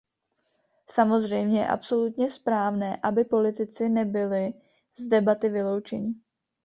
Samozřejmě je absolutně správné, aby politici nebyli z debaty vyloučeni.